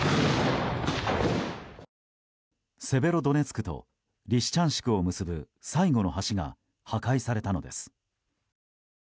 セベロドネツクとリシチャンシクを結ぶ最後の橋が破壊されたのです。